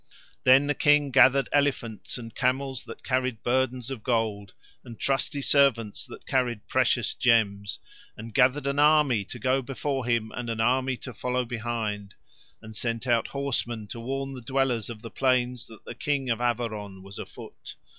Then the King gathered elephants and camels that carried burdens of gold, and trusty servants that carried precious gems, and gathered an army to go before him and an army to follow behind, and sent out horsemen to warn the dwellers of the plains that the King of Averon was afoot.